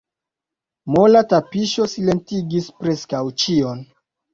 Mola tapiŝo silentigis preskaŭ ĉion.